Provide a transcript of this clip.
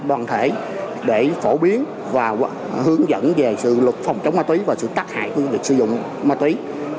đoàn thể để phổ biến và hướng dẫn về sự luật phòng chống ma túy và sự tác hại của việc sử dụng ma túy